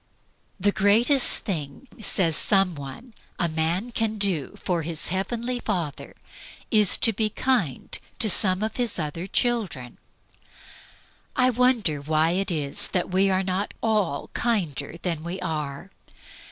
"The greatest thing," says some one, "a man can do for his Heavenly Father is to be kind to some of His other children." I wonder why it is that we are not all kinder than we are?